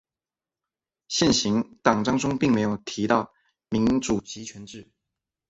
现行党章中并没有提到民主集权制。